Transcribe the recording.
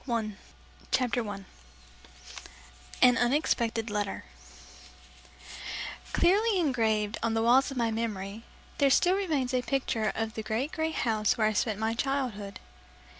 IN HIS PRESENCE PART ONE CHAPTER ONE AN UNEXPECTED LETTER Clearly engraved on the walls of my memory there still remains a picture of the great gray house where I spent my childhood.